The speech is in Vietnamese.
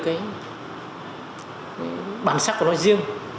cái bản sắc của nó riêng